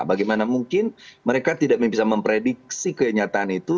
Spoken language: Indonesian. bagaimana mungkin mereka tidak bisa memprediksi kenyataan itu